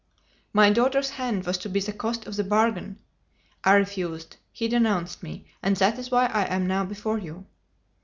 "My daughter's hand was to be the cost of the bargain! I refused; he denounced me, and that is why I am now before you!"